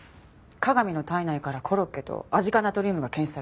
加賀美の体内からコロッケとアジ化ナトリウムが検出されたの。